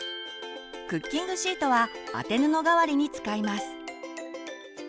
クッキングシートは当て布代わりに使います。